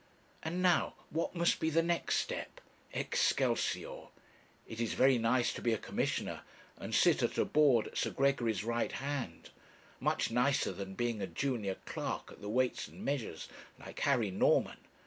And now what must be the next step? Excelsior! It is very nice to be a Commissioner, and sit at a Board at Sir Gregory's right hand: much nicer than being a junior clerk at the Weights and Measures, like Harry Norman.